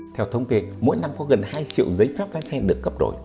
theo thống kê mỗi năm có gần hai triệu giấy phép lái xe được cấp đổi